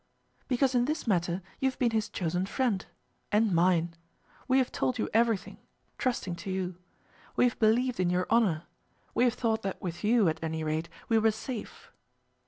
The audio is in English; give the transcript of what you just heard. "Because in this matter you have been his chosen friend, and mine. We have told you everything, trusting to you. We have believed in your honour. We have thought that with you, at any rate, we were safe."